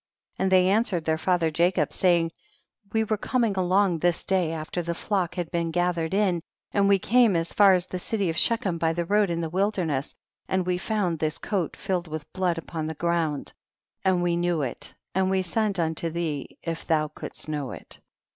and they answered their father Jacob, saying, we were coming along this day after the flock had been gather ed in, and we came as far as the city of Shechem by the road in the wil derness, and we found this coat filled with blood upon the ground, and we 134 THE BOOK OF JASHER. knew it and we sent unto thee if thou couldst know it.